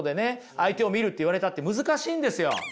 相手を見るって言われたって難しいんですよ。